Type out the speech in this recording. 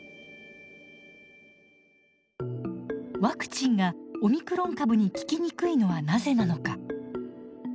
ワクチンがオミクロン株に効きにくいのはなぜなのか？